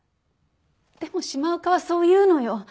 でも島岡はそう言うのよ。